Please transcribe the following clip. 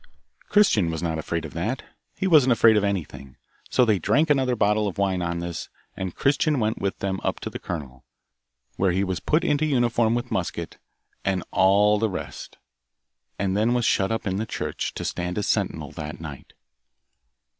Christian was not afraid of that he wasn't afraid of anything, so they drank another bottle of wine on this, and Christian went with them up to the colonel, where he was put into uniform with musket, and all the rest, and was then shut up in the church, to stand as sentinel that night.